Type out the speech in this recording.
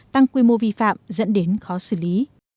tăng quy mô vi phạm dẫn đến khó xử lý